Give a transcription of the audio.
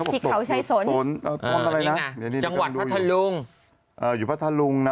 หิกเข้าใช้โสน